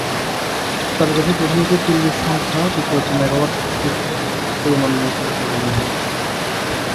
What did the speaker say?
তালিকাটি প্রথমত চুল্লীর সংখ্যা, দ্বিতীয়ত মেগাওয়াট শক্তির পরিমাণ অনুসারে সাজানো হয়েছে।